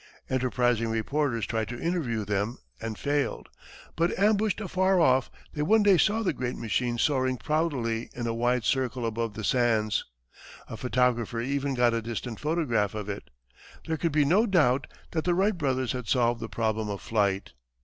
Enterprising reporters tried to interview them and failed; but, ambushed afar off, they one day saw the great machine soaring proudly in a wide circle above the sands. A photographer even got a distant photograph of it. There could be no doubt that the Wright brothers had solved the problem of flight.